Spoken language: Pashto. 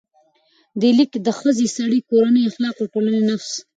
دې لیک کې د ښځې، سړي، کورنۍ، اخلاقو، ټولنې، نفس،